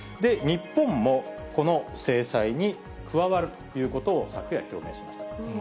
日本もこの制裁に加わるということを、昨夜表明しました。